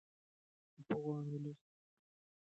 افغان ولس به تل ژوندی وي.